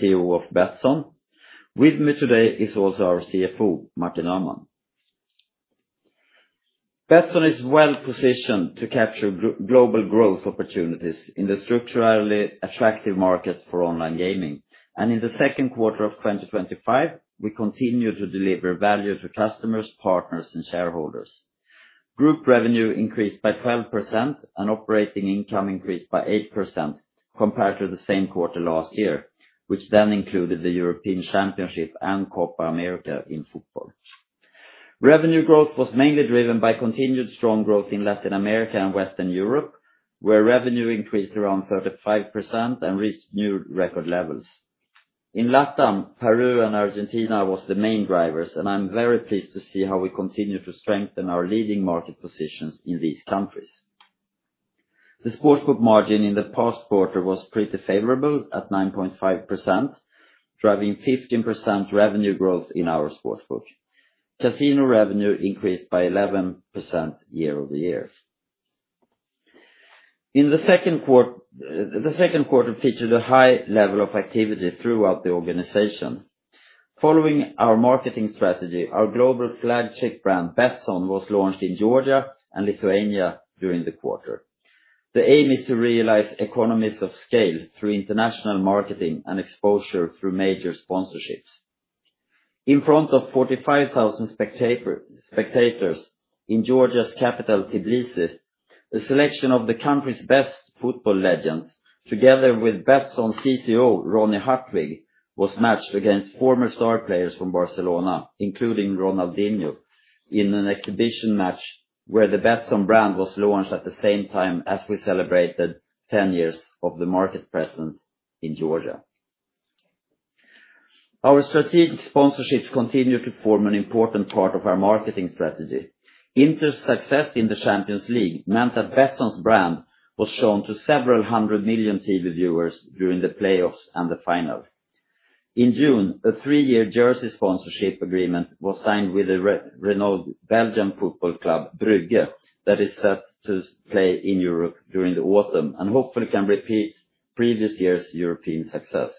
CEO of Betzon. With me today is also our CFO, Martin Ahmann. Betzon is well positioned to capture global growth opportunities in the structurally attractive market for online gaming. And in the second quarter of twenty twenty five, we continue to deliver value to customers, partners and shareholders. Group revenue increased by 12% and operating income increased by 8% compared to the same quarter last year, which then included the European Championship and Copa America in football. Revenue growth was mainly driven by continued strong growth in Latin America and Western Europe, where revenue increased around 35 percent and reached new record levels. In LatAm, Peru and Argentina was the main drivers, and I'm very pleased to see how we continue to strengthen our leading market positions in these countries. The sportsbook margin in the past quarter was pretty favorable at 9.5%, driving 15 revenue growth in our sportsbook. Casino revenue increased by 11% year over year. In the second quarter the second quarter featured a high level of activity throughout the organization. Following our marketing strategy, our global flagship brand, Betzon, was launched in Georgia and Lithuania during the quarter. The aim is to realize economies of scale through international marketing and exposure through major sponsorships. In front of 45,000 spectator spectators in Georgia's capital, Tbilisi, a selection of the country's best football legends, together with Betzon CCO, Roni Hatwig, was matched against former star players from Barcelona, including Ronaldinho, in an exhibition match where the Betzon brand was launched at the same time as we celebrated ten years of the market presence in Georgia. Our strategic sponsorships continue to form an important part of our marketing strategy. Inter's success in the Champions League meant that Betzon's brand was shown to several 100,000,000 TV viewers during the playoffs and the final. In June, a three year jersey sponsorship agreement was signed with the renowned Belgian football club, Brugge, that is set to play in Europe during the autumn and hopefully can repeat previous year's European success.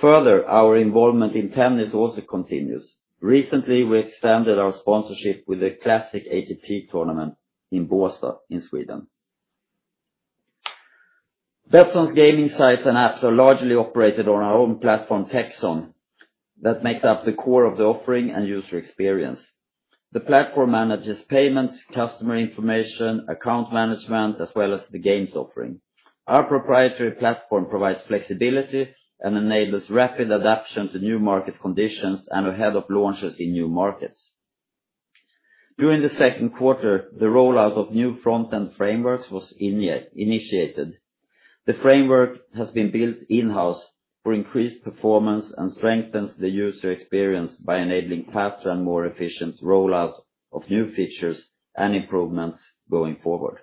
Further, our involvement in tennis also continues. Recently, we extended our sponsorship with the classic ATP tournament in Bosta in Sweden. Bedsson's gaming sites and apps are largely operated on our own platform, TechSon, that makes up the core of the offering and user experience. The platform manages payments, customer information, account management, as well as the games offering. Our proprietary platform provides flexibility and enables rapid adaption to new market conditions and ahead of launches in new markets. During the second quarter, the rollout of new front end frameworks was initiated. The framework has been built in house for increased performance and strengthens the user experience by enabling faster and more efficient rollout of new features and improvements going forward.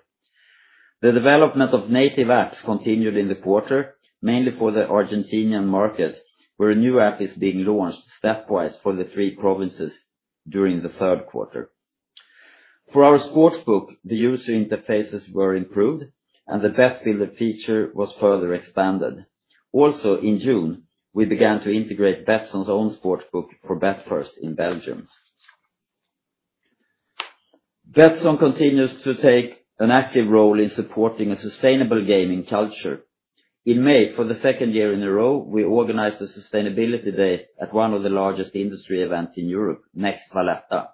The development of native apps continued in the quarter, mainly for the Argentinian market, where a new app is being launched stepwise for the three provinces during the third quarter. For our sportsbook, the user interfaces were improved and the BetBuilder feature was further expanded. Also in June, we began to integrate Betzon's own sportsbook for BetFirst in Belgium. Betzon continues to take an active role in supporting a sustainable gaming culture. In May, for the second year in a row, we organized a sustainability day at one of the largest industry events in Europe, NEXT Valletta.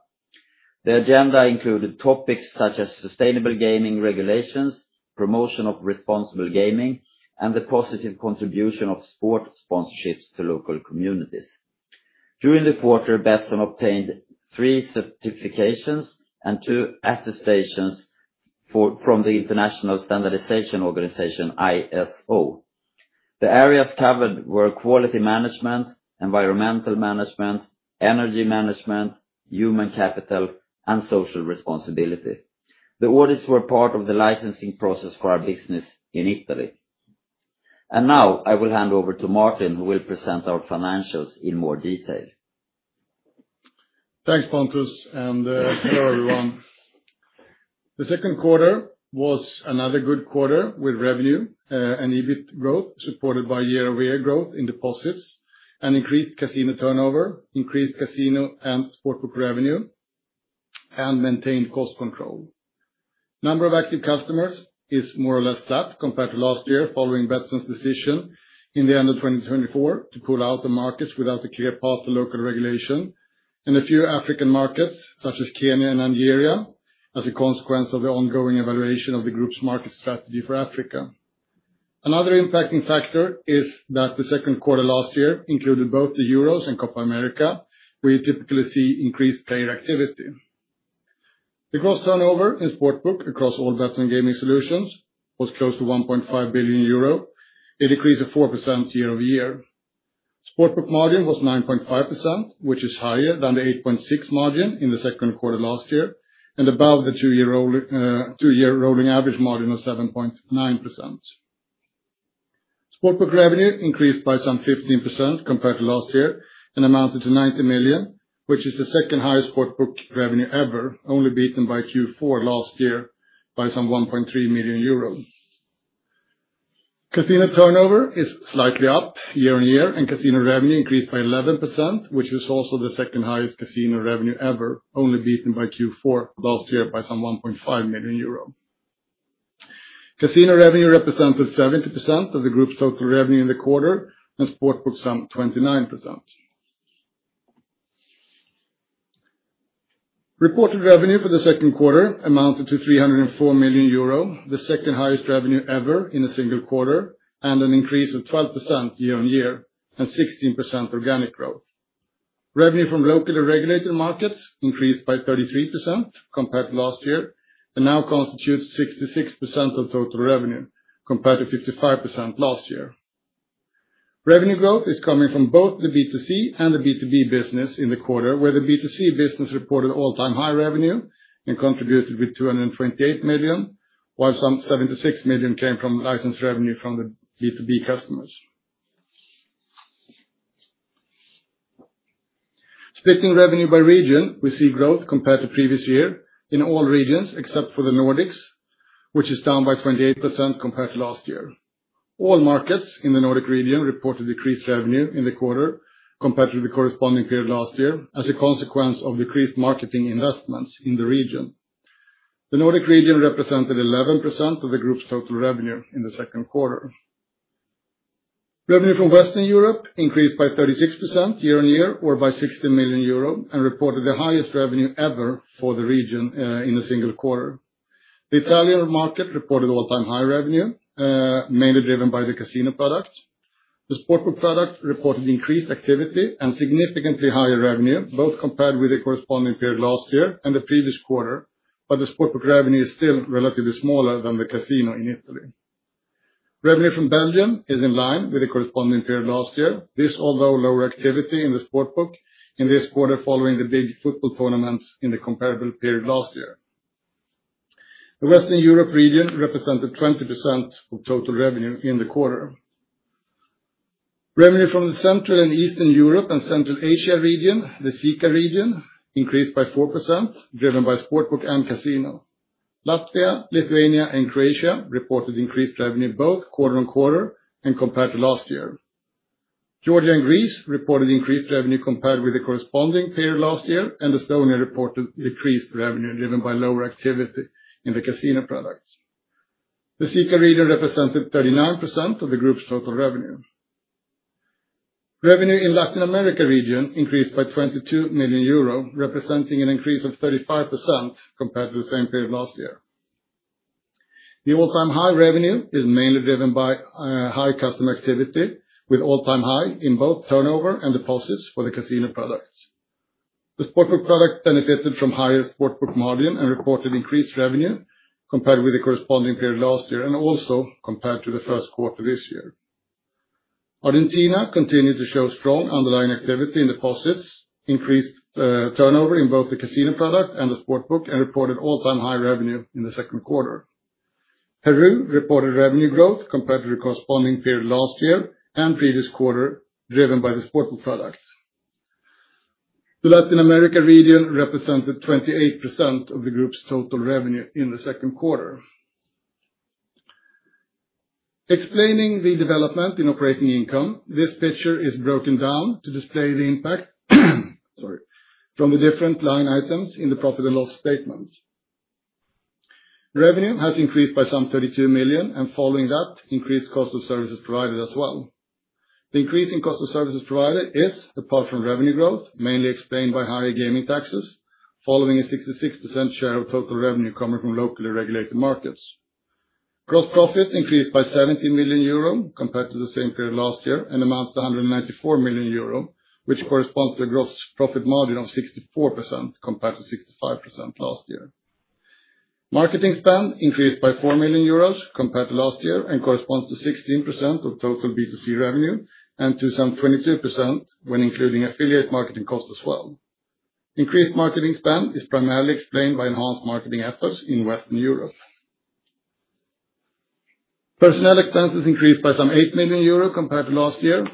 The agenda included topics such as sustainable gaming regulations, promotion of responsible gaming, and the positive contribution of sport sponsorships to local communities. During the quarter, Betzon obtained three certifications and two attestations for from the International Standardization Organization, ISO. The areas covered were quality management, environmental management, energy management, human capital and social responsibility. The audits were part of the licensing process for our business in Italy. And now I will hand over to Martin, who will present our financials in more detail. Thanks, Pantus, and hello, everyone. The second quarter was another good quarter with revenue and EBIT growth supported by year over year growth in deposits and increased casino turnover, increased casino and sport book revenue and maintained cost control. Number of active customers is more or less flat compared to last year following Betzon's decision in the 2024 to pull out the markets without a clear path to local regulation and a few African markets such as Kenya and Nigeria as a consequence of the ongoing evaluation of the group's market strategy for Africa. Another impacting factor is that the second quarter last year included both the Euros and Copa America, where you typically see increased player activity. The gross turnover in Sportbook across all bets and gaming solutions was close to €1,500,000,000, a decrease of 4% year over year. Sportbook margin was 9.5%, which is higher than the 8.6 margin in the second quarter last year and above the two year rolling two year rolling average margin of 7.9%. Sport book revenue increased by some 15% compared to last year and amounted to 90,000,000, which is the second highest sport book revenue ever, only beaten by q four last year by some €1,300,000. Casino turnover is slightly up year on year, and casino revenue increased by 11%, which is also the second highest casino revenue ever, only beaten by q four last year by some €1,500,000. Casino revenue represented 70% of the group's total revenue in the quarter and Sport booked some 29%. Reported revenue for the second quarter amounted to $3.00 €4,000,000, the second highest revenue ever in a single quarter and an increase of 12% year on year and 16% organic growth. Revenue from local and regulated markets increased by 33% compared to last year and now constitutes 66% of total revenue compared to 55 last year. Revenue growth is coming from both the B2C and the B2B business in the quarter, where the B2C business reported all time high revenue and contributed with 228 million, while some 76 million came from license revenue from the B2B customers. Splitting revenue by region, we see growth compared to previous year in all regions except for the Nordics, which is down by 28% compared to last year. All markets in the Nordic Region reported decreased revenue in the quarter compared to the corresponding period last year as a consequence of decreased marketing investments in the region. The Nordic region represented 11% of the group's total revenue in the second quarter. Revenue from Western Europe increased by 36% year on year or by €60,000,000 and reported the highest revenue ever for the region in a single quarter. The Italian market reported all time high revenue, mainly driven by the casino product. The sport book product reported increased activity and significantly higher revenue, both compared with the corresponding period last year and the previous quarter, but the Sportbook revenue is still relatively smaller than the casino in Italy. Revenue from Belgium is in line with the corresponding period last year. This, although lower activity in the Sportbook in this quarter following the big football tournaments in the comparable period last year. The Western Europe region represented 20% of total revenue in the quarter. Revenue from the Central And Eastern Europe and Central Asia region, the Sika region, increased by 4%, driven by Sportbook and Casino. Latvia, Lithuania and Croatia reported increased revenue both quarter on quarter and compared to last year. Georgia and Greece reported increased revenue compared with the corresponding period last year, and Estonia reported decreased revenue driven by lower activity in the casino products. The Sika region represented 39% of the group's total revenue. Revenue in Latin America region increased by €22,000,000 representing an increase of 35% compared to the same period last year. The all time high revenue is mainly driven by high customer activity with all time high in both turnover and deposits for the casino products. The Sportbook product benefited from higher Sportbook margin and reported increased revenue compared with the corresponding period last year and also compared to the first quarter this year. Argentina continued to show strong underlying activity in deposits, increased turnover in both the casino product and the Sportbook and reported all time high revenue in the second quarter. Peru reported revenue growth compared to the corresponding period last year and previous quarter driven by the Sportbook products. The Latin America region represented 28% of the group's total revenue in the second quarter. Explaining the development in operating income, this picture is broken down to display the impact, sorry, from the different line items in the profit and loss statement. Revenue has increased by some 32,000,000, and following that, increased cost of services provided as well. The increase in cost of services provided is, apart from revenue growth, mainly explained by higher gaming taxes, following a 66% share of total revenue coming from locally regulated markets. Gross profit increased by €17,000,000 compared to the same period last year and amounts to €194,000,000 which corresponds to a gross profit margin of 64% compared to 65% last year. Marketing spend increased by €4,000,000 compared to last year and corresponds to 16% of total B2C revenue and to some 22% when including affiliate marketing costs as well. Increased marketing spend is primarily explained by enhanced marketing efforts in Western Europe. Personnel expenses increased by some €8,000,000 compared to last year,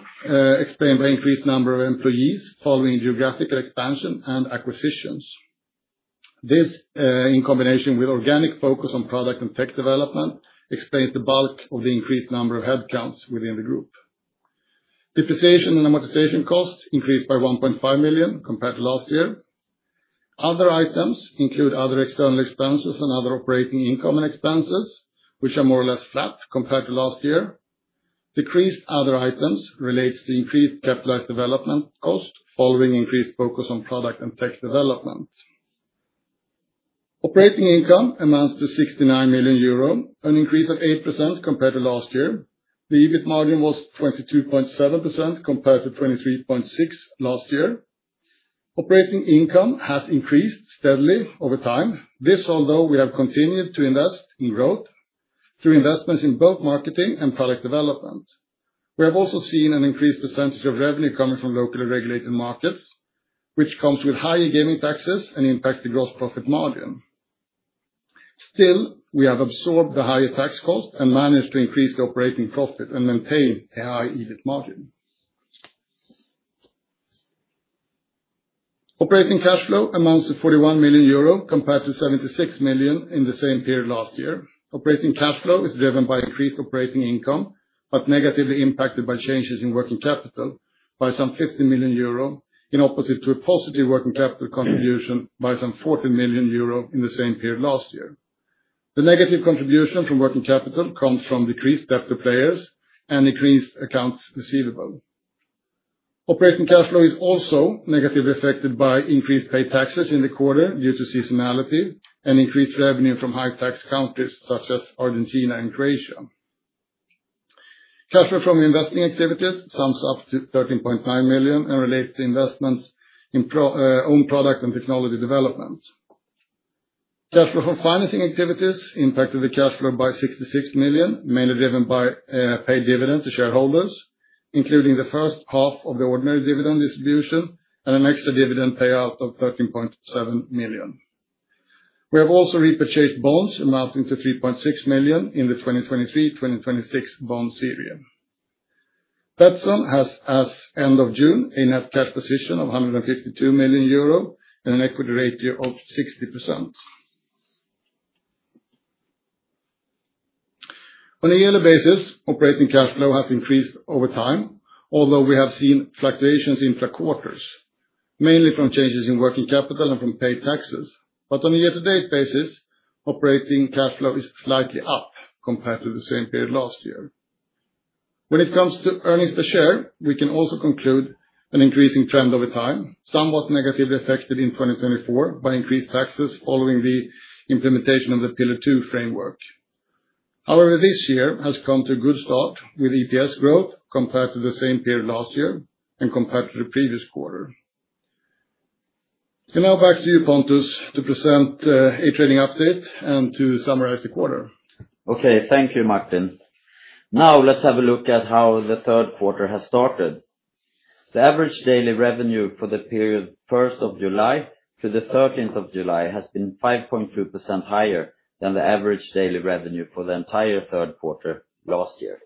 explained by increased number of employees following geographical expansion and acquisitions. This, in combination with organic focus on product and tech development, explains the bulk of the increased number of headcounts within the group. Depreciation and amortization costs increased by 1,500,000.0 compared to last year. Other items include other external expenses and other operating income and expenses, which are more or less flat compared to last year. Decreased other items relates to increased capitalized development cost following increased focus on product and tech development. Operating income amounts to €69,000,000 an increase of 8% compared to last year. The EBIT margin was 22.7 compared to 23.6% last year. Operating income has increased steadily over time. This, although we have continued to invest in growth through investments in both marketing and product development. We have also seen an increased percentage of revenue coming from locally regulated markets, which comes with higher gaming taxes and impacts the gross profit margin. Still, we have absorbed the higher tax cost and managed to increase the operating profit and maintain a high EBIT margin. Operating cash flow amounts to €41,000,000 compared to €76,000,000 in the same period last year. Operating cash flow is driven by increased operating income, but negatively impacted by changes in working capital by some €50,000,000 in opposite to a positive working capital contribution by some €40,000,000 in the same period last year. The negative contribution from working capital comes from decreased debt to players and increased accounts receivable. Operating cash flow is also negatively affected by increased paid taxes in the quarter due to seasonality and increased revenue from high tax countries such as Argentina and Croatia. Cash flow from investing activities sums up to 13,900,000.0 and relates to investments in own product and technology development. Cash flow from financing activities impacted the cash flow by 66,000,000, mainly driven by a paid dividend to shareholders, including the first half of the ordinary dividend distribution and an extra dividend payout of 13,700,000.0. We have also repurchased bonds amounting to 3,600,000.0 in the twenty twenty three-twenty twenty six bond series. Betzon has, as June, a net cash position of €152,000,000 and an equity ratio of 60. On a yearly basis, operating cash flow has increased over time, although we have seen fluctuations intra quarters, mainly from changes in working capital and from paid taxes. But on a year to date basis, operating cash flow is slightly up compared to the same period last year. When it comes to earnings per share, we can also conclude an increasing trend over time, somewhat negatively affected in 2024 by increased taxes following the implementation of the pillar two framework. However, this year has come to a good start with EPS growth compared to the same period last year and compared to the previous quarter. And now back to you, Pontus, to present a trading update and to summarize the quarter. Okay. Thank you, Martin. Now let's have a look at how the third quarter has started. The average daily revenue for the period July 1 to the July 13 has been 5.2% higher than the average daily revenue for the entire third quarter last year.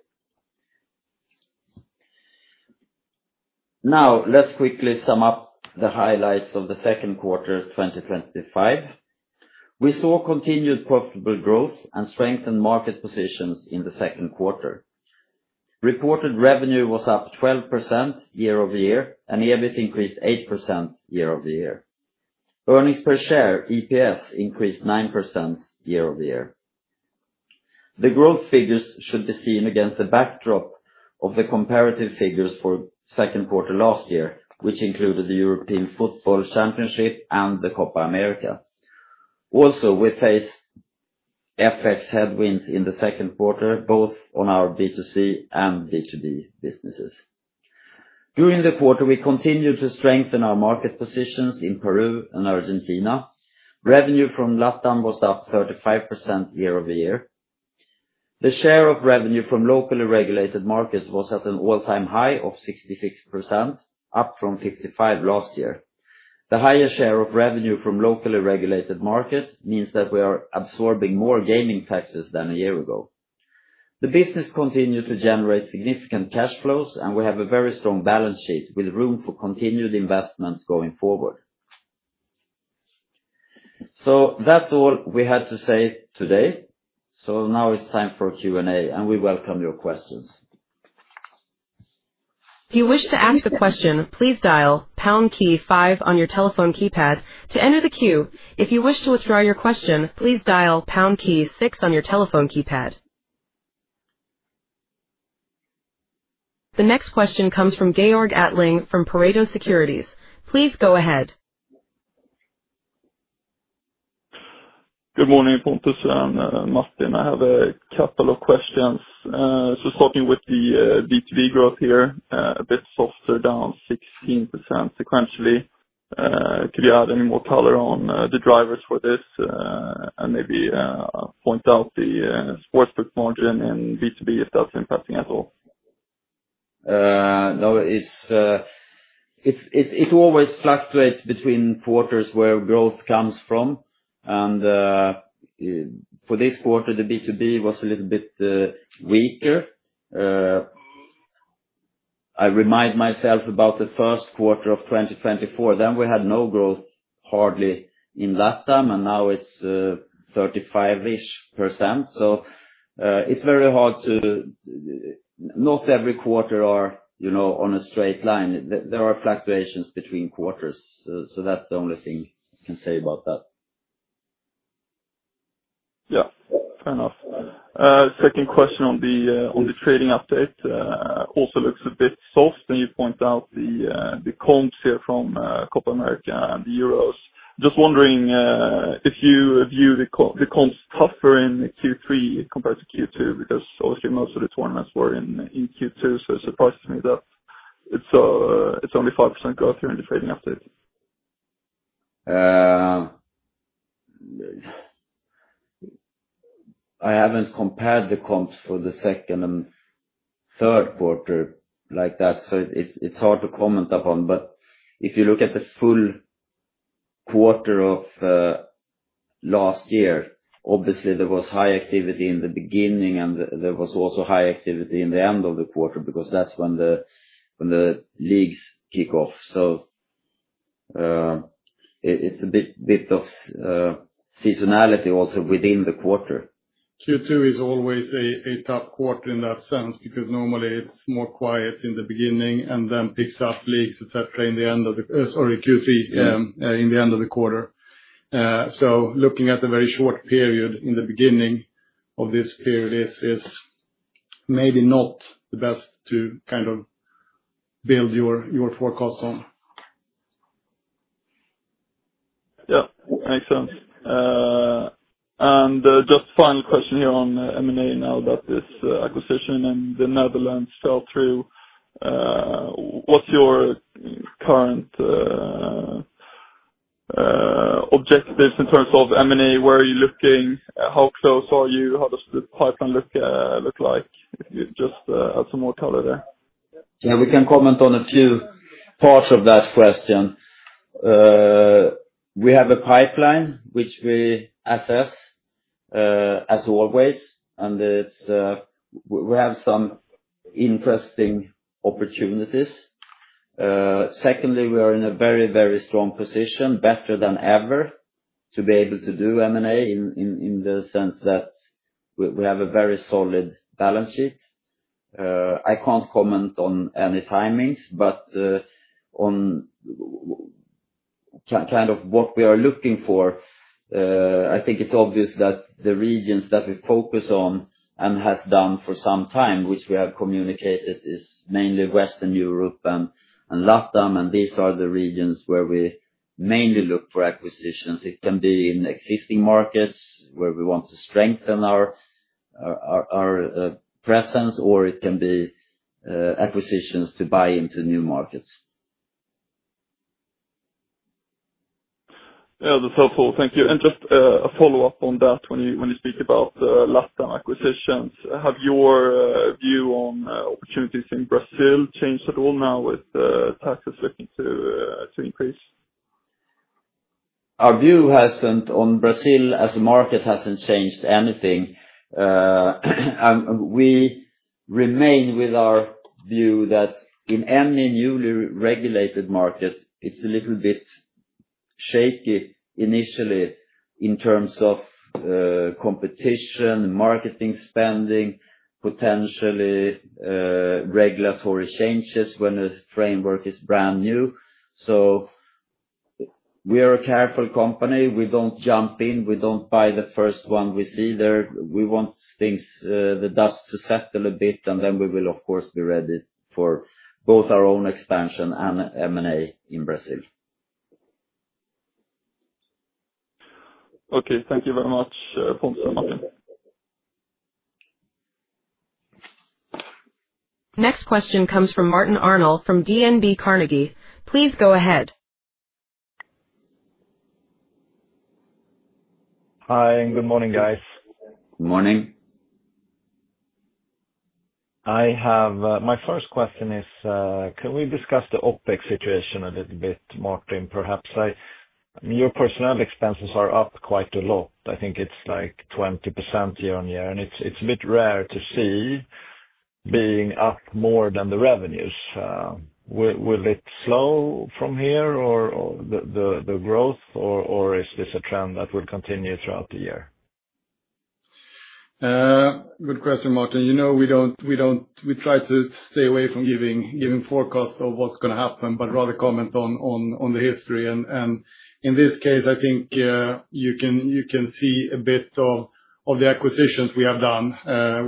Now let's quickly sum up the highlights of the second quarter twenty twenty five. We saw continued profitable growth and strengthened market positions in the second quarter. Reported revenue was up 12% year over year and EBIT increased 8% year over year. Earnings per share, EPS, increased 9% year over year. The growth figures should be seen against the backdrop of the comparative figures for second quarter last year, which included the European Football Championship and the Copa America. Also, we faced FX headwinds in the second quarter, both on our B2C and B2B businesses. During the quarter, we continued to strengthen our market positions in Peru and Argentina. Revenue from LatAm was up 35% year over year. The share of revenue from locally regulated markets was at an all time high of 66%, up from 55% last year. The higher share of revenue from locally regulated market means that we are absorbing more gaming taxes than a year ago. The business continued to generate significant cash flows, and we have a very strong balance sheet with room for continued investments going forward. So that's all we had to say today. So now it's time for Q and A, and we welcome your questions. The next question comes from Georg Atling from Pareto Securities. Please go ahead. Good morning, Pontus and Martin. I have a couple of questions. So starting with the B2B growth here, a bit softer, down 16% sequentially. Could you add any more color on the drivers for this and maybe point out the sports book margin in B2B, if that's impacting at all? No. It's it always fluctuates between quarters where growth comes from. And for this quarter, the B2B was a little bit weaker. I remind myself about the first quarter of twenty twenty four, then we had no growth hardly in LATAM, and now it's 35 ish percent. So it's very hard to not every quarter are, you know, on a straight line. There are fluctuations between quarters. That's the only thing I can say about that. Yeah. Fair enough. Second question on the trading update also looks a bit soft, and you point out the comps here from Copa America and the Euros. Just wondering if you view the the comps tougher in q three compared to q two because, obviously, most of the tournaments were in in q two. So it surprises me that it's it's only 5% growth here in the trading update. I haven't compared the comps for the second and third quarter like that, so it's it's hard to comment upon. But if you look at the full quarter of last year, obviously, there was high activity in the beginning, and there was also high activity in the end of the quarter because that's when the when the leagues kick off. So it's a bit bit of seasonality also within the quarter. Q two is always a a tough quarter in that sense because normally, it's more quiet in the beginning and then picks up leagues, etcetera, in the end of the sorry, q three Yeah. In the end of the quarter. So looking at the very short period in the beginning of this period is is maybe not the best to kind of build your your forecast on. Yeah. Makes sense. And just final question here on m and a now that this acquisition in The Netherlands fell through. What's your current objectives in terms of M and A? Where are you looking? How close are you? How does the pipeline look like? If you just add some more color there. Yes. We can comment on a few parts of that question. We have a pipeline, which we assess as always, and it's we have some interesting opportunities. Secondly, we are in a very, very strong position, better than ever, to be able to do M and A in the sense that we have a very solid balance sheet. I can't comment on any timings, but on kind of what we are looking for, I think it's obvious that the regions that we focus on and has done for some time, which we have communicated, is mainly Western Europe and LatAm, and these are the regions where we mainly look for acquisitions. It can be in existing markets where we want to strengthen our presence or it can be acquisitions to buy into new markets. Yes, that's helpful. Thank you. And just a follow-up on that when you speak about last time acquisitions. Have your view on opportunities in Brazil changed at all now with taxes looking to increase? Our view hasn't on Brazil as a market hasn't changed anything. And we remain with our view that in any newly regulated market, it's a little bit shaky initially in terms of competition, marketing spending, potentially regulatory changes when a framework is brand new. So we are a careful company. We don't jump in. We don't buy the first one We want things the dust to settle a bit, and then we will, of course, be ready for both our own expansion and M and A in Brazil. Okay. Thank you very much, Ponce and Martin. Next question comes from Martin Arnold from DNB Carnegie. Please go ahead. Hi. Good morning, guys. Good morning. I have, my first question is, can we discuss the OpEx situation a little bit, Martin, perhaps? I mean, your personnel expenses are up quite a lot. I think it's like 20% year on year, and it's a bit rare to see being up more than the revenues. Will it slow from here the growth? Or is this a trend that will continue throughout the year? Good question, Martin. You know, we don't we try to stay away from giving forecast of what's going to happen, but rather comment on the history. And in this case, I think you can see a bit of the acquisitions we have done.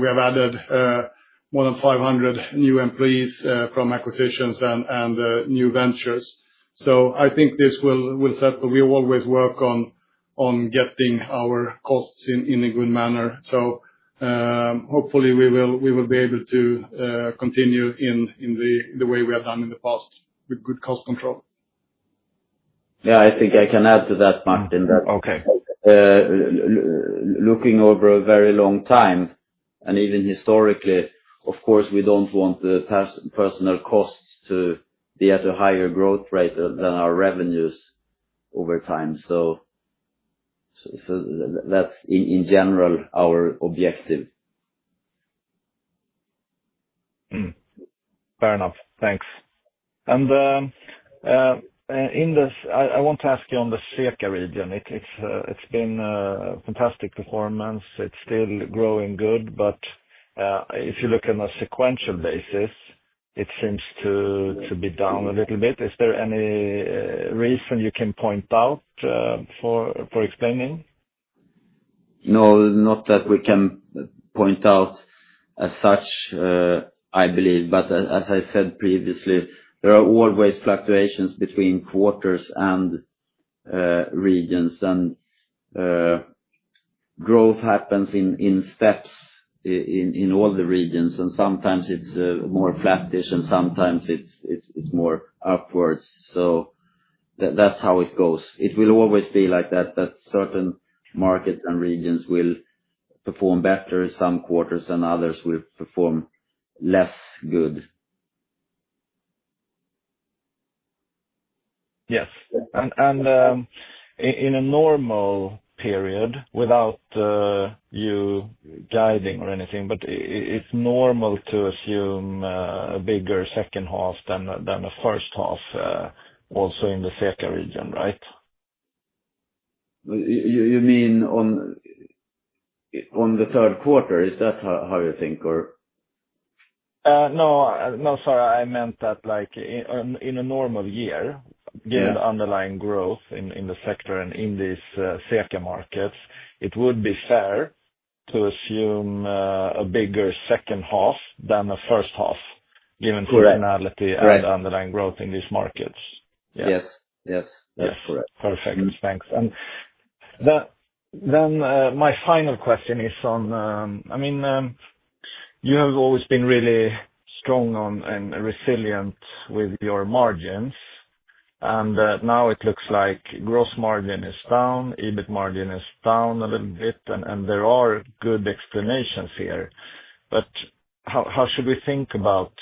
We have added more than 500 new employees from acquisitions and new ventures. So I think this will set that we will always work on getting our costs in a good manner. So hopefully, we will be able to continue the way we have done in the past with good cost control. Yes. I think I can add to that, Martin, that looking over a very long time and even historically, of course, we don't want the personal costs to be at a higher growth rate than our revenues over time. So that's, in general, our objective. Fair enough. Thanks. In this, I want to ask you on the Sika region. It's been a fantastic performance. It's still growing good. But if you look on a sequential basis, it seems to be down a little bit. Is there any reason you can point out for explaining? No, not that we can point out as such, I believe. But as I said previously, there are always fluctuations between quarters and regions. And growth happens in steps in all the regions. And sometimes, it's more flattish and sometimes, it's more upwards. So that's how it goes. It will always be like that, that certain markets and regions will perform better in some quarters and others will perform less good. Yes. And in a normal period, without you guiding or anything, but it's normal to assume bigger second half than first half also in the SEK region, right? You mean on the third quarter, is that how you think? Or No. No, sorry. I meant that, like, in a normal year, given the underlying growth in the sector and in this circa markets, it would be fair to assume a bigger second half than the first half given seasonality and underlying growth in these markets. Yes. That's correct. Perfect. Thanks. And then my final question is on I mean, you have always been really strong and resilient with your margins. And now it looks like gross margin is down, EBIT margin is down a little bit, and and there are good explanations here. But how how should we think about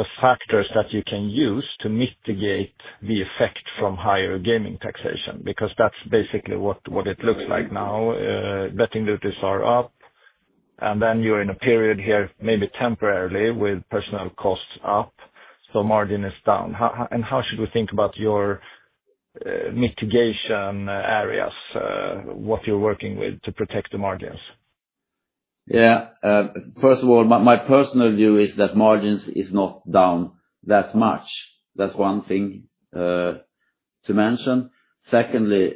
the factors that you can use to mitigate the effect from higher gaming taxation? Because that's basically what what it looks like now. Betting duties are up, and then you're in a period here maybe temporarily with personnel costs up, so margin is down. How how and how should we think about your mitigation areas, what you're working with to protect the margins? Yes. First of all, my personal view is that margins is not down that much. That's one thing to mention. Secondly,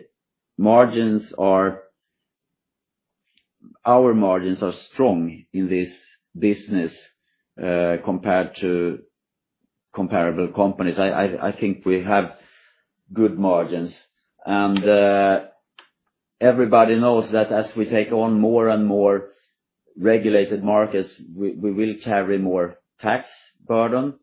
margins are our margins are strong in this business compared to comparable companies. I I I think we have good margins. And everybody knows that as we take on more and more regulated markets, we will carry more tax burden,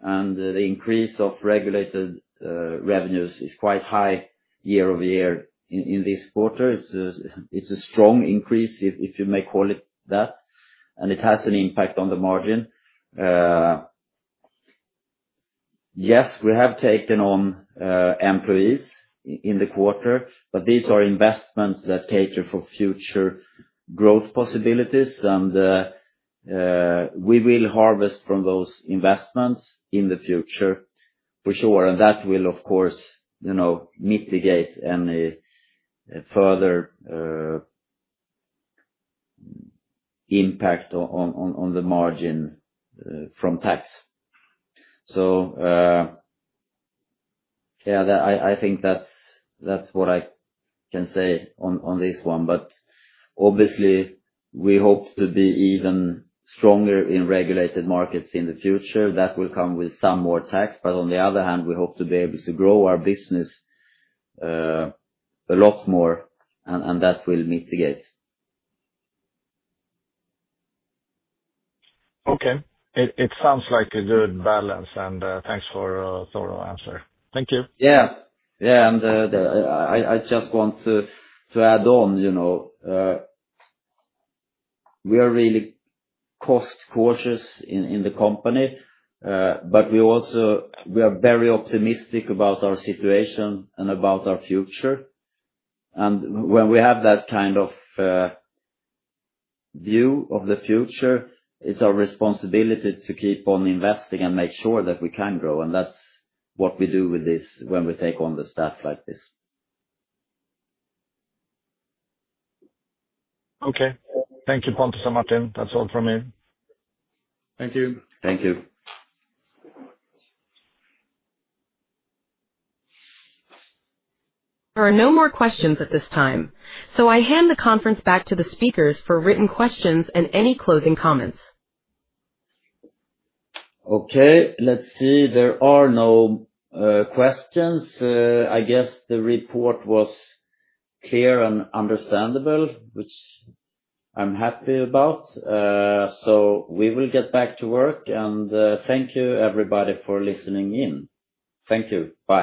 and the increase of regulated revenues is quite high year over year in this quarter. It's a strong increase, if you may call it that, and it has an impact on the margin. Yes, we have taken on employees in the quarter, but these are investments that cater for future growth possibilities. And we will harvest from those investments in the future for sure. And that will, of course, mitigate any further impact on the margin from tax. So yeah, I think that's what I can say on this one. But obviously, we hope to be even stronger in regulated markets in the future. That will come with some more tax. But on the other hand, we hope to be able to grow our business a lot more, and that will mitigate. Okay. It sounds like a good balance, and thanks for a thorough answer. Thank you. Yeah. Yeah. And I just want to add on, you know, we are really cost cautious in the company, but we also we are very optimistic about our situation and about our future. And when we have that kind of view of the future, it's our responsibility to keep on investing and make sure that we can grow, and that's what we do with this when we take on the stuff like this. There are no more questions at this time. So I hand the conference back to the speakers for written questions and any closing comments. Okay. Let's see. There are no questions. I guess the report was clear and understandable, which I'm happy about. So we will get back to work, and thank you everybody for listening in. Thank you. Bye.